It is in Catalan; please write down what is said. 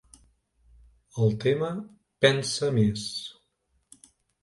El tema, "Pensa més".